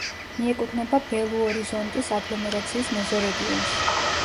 მიეკუთვნება ბელუ-ორიზონტის აგლომერაციის მეზორეგიონს.